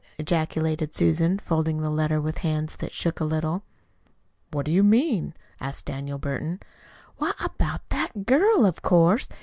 ejaculated Susan, folding the letter with hands that shook a little. "What do you mean?" asked Daniel Burton. "Why, about that girl, of course.